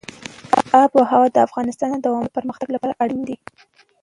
آب وهوا د افغانستان د دوامداره پرمختګ لپاره اړین دي.